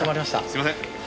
すいません！